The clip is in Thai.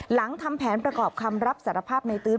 หลังทำแผนประกอบคำรับสารภาพในตื๊ด